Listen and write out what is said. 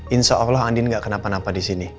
insya allah andin gak kenapa napa disini